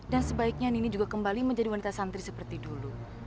dan sebaiknya nini juga kembali menjadi wanita santri seperti dulu